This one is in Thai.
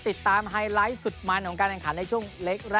ติดตามไฮไลท์สุดมันของการแผ่นขันในช่วงเล็ก